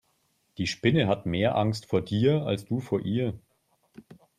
Die Spinne hat mehr Angst vor dir als du vor ihr.